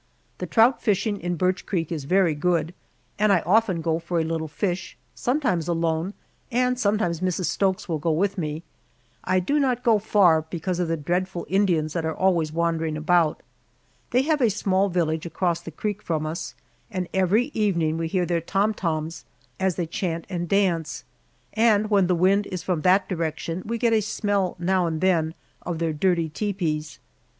The trout fishing in Birch Creek is very good, and I often go for a little fish, sometimes alone and sometimes Mrs. Stokes will go with me. I do not go far, because of the dreadful Indians that are always wandering about. They have a small village across the creek from us, and every evening we hear their "tom toms" as they chant and dance, and when the wind is from that direction we get a smell now and then of their dirty tepees.